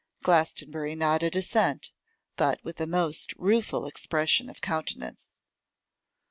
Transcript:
Glastonbury nodded assent, but with a most rueful expression of countenance.